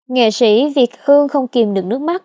nghệ sĩ việt hương không kìm được nước mắt